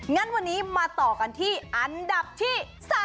งั้นวันนี้มาต่อกันที่อันดับที่๓